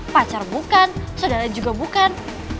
pacar bukan saudara juga bukan